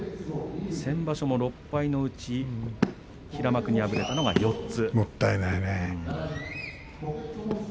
先場所も６敗のうち平幕に敗れたのが４つ。